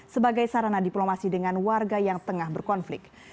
sebagai sarana diplomasi dengan warga yang tengah berkonflik